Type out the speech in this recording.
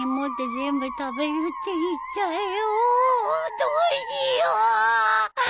どうしよ！